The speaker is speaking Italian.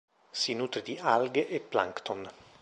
Si nutre di alghe e plancton.